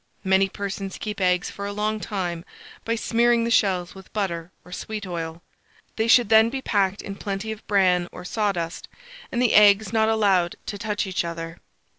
Many persons keep eggs for a long time by smearing the shells with butter or sweet oil: they should then be packed in plenty of bran or sawdust, and the eggs not allowed to touch each other.